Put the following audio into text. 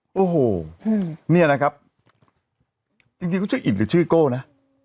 โอ้โหหื้มเนี้ยนะครับจริงจริงก็ชื่ออิ่ดหรือชื่อกโก่นะ